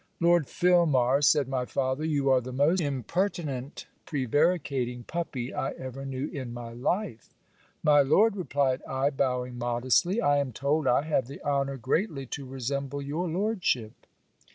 'Lord Filmar,' said my father, 'you are the most impertinent prevaricating puppy I ever knew in my life.' 'My Lord,' replied I bowing modestly, 'I am told I have the honour greatly to resemble your lordship.'